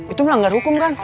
itu melanggar hukum kan